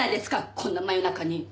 こんな真夜中に。